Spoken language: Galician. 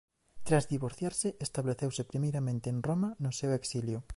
Tras divorciarse estableceuse primeiramente en Roma no seu exilio.